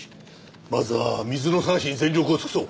まずは水野捜しに全力を尽くそう。